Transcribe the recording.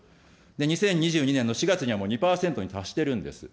２０２２年の４月にはもう２％に達しているんです。